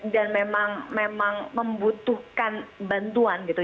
dan memang membutuhkan bantuan gitu